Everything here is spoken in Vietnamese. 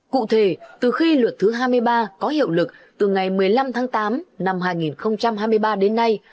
cụ thể từ khi luật thứ hai mươi ba có hiệu lực từ ngày một mươi năm tháng tám năm hai nghìn hai mươi ba đến nay